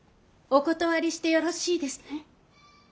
お断りしてよろしいですね。